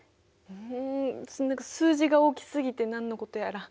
うん数字が大きすぎて何のことやら。